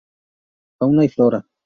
Fauna y Flora.